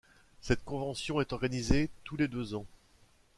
Cette convention est organisée tous les deux ans.